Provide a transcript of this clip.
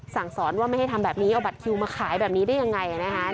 สั่งสอนว่าไม่ให้ทำแบบนี้เอาบัตรคิวมาขายแบบนี้ได้ยังไงนะคะ